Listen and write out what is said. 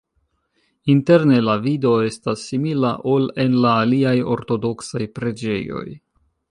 Interne la vido estas simila, ol en la aliaj ortodoksaj preĝejoj.